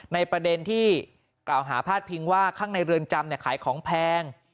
ในประเด็นที่กล่าวหาพาดพิงว่าข้างในเรือนจำขายของแพง